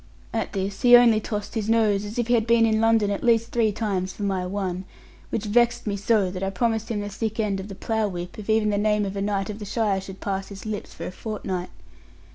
At this he only tossed his nose, as if he had been in London at least three times for my one; which vexed me so that I promised him the thick end of the plough whip if even the name of a knight of the shire should pass his lips for a fortnight.